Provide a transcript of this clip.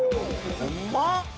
◆ほんま？